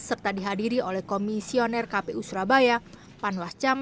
serta dihadiri oleh komisioner kpu surabaya panwas cam